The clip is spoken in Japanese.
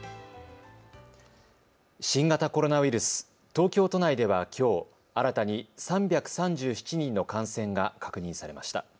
新型コロナウイルス、東京都内ではきょう新たに３３７人の感染が確認されました。